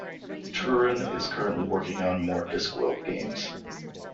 Truran is currently working on more Discworld games.